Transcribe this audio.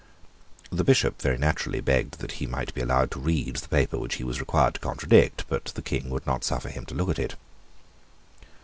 The Bishop very naturally begged that he might be allowed to read the paper which he was required to contradict; but the King would not suffer him to look at it.